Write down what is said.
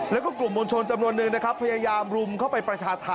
แล้วก็กลุ่มมวลชนจำนวนนึงนะครับพยายามรุมเข้าไปประชาธรรม